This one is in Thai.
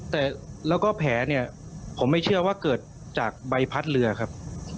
แต่แล้วก็แผลเนี่ยผมไม่เชื่อว่าเกิดจากใบพัดเรือครับ